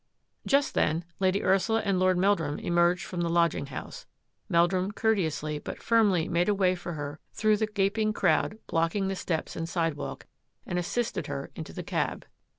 Just then Lady Ursula and Lord Meldrum emerged from the lodging house. Meldrum cour teously but firmly made a way for her through the gaping crowd blocking the steps and sidewalk, and assisted her into the cab.